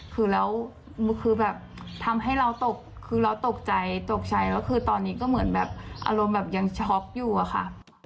คือแล้วคือแบบทำให้เราตกคือเราตกใจตกใจก็คือตอนนี้ก็เหมือนแบบอารมณ์แบบยังช็อกอยู่อะค่ะ